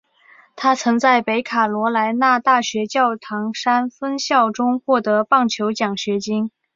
他曾在北卡罗来纳大学教堂山分校中获得棒球奖学金。